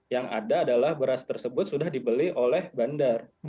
yang ada adalah beras tersebut sudah dibeli oleh bandar